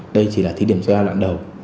đây chỉ là thí điểm ra đoạn đầu